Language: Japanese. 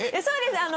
そうです。